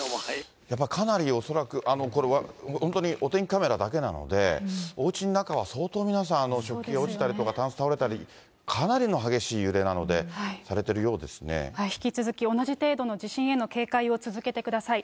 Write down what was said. かなり恐らく、これはお天気カメラだけなので、おうちの中は、相当皆さん、食器が落ちたりとか、タンス倒れたり、かなりの激しい揺れなので引き続き、同じ程度の地震への警戒を続けてください。